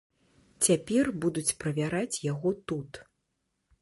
Цяпер будуць правяраць яго тут.